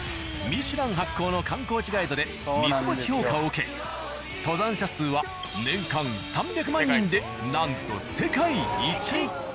ミシュラン発行の観光地ガイドで三つ星評価を受け登山者数は年間３００万人でなんと世界一！